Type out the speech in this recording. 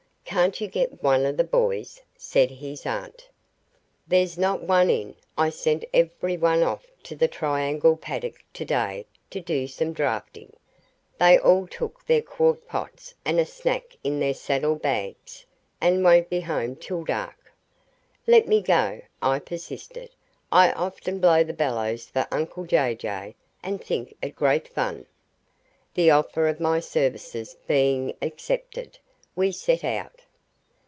"Can't you get one of the boys?" said his aunt. "There's not one in. I sent every one off to the Triangle paddock today to do some drafting. They all took their quart pots and a snack in their saddle bags, and won't be home till dark." "Let me go," I persisted; "I often blow the bellows for uncle Jay Jay, and think it great fun." The offer of my services being accepted, we set out.